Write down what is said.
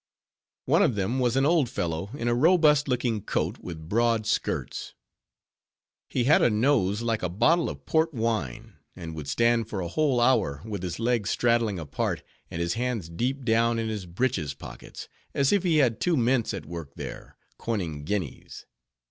One of them was an old fellow in a robust looking coat, with broad skirts; he had a nose like a bottle of port wine; and would stand for a whole hour, with his legs straddling apart, and his hands deep down in his breeches pockets, as if he had two mints at work there, coining guineas.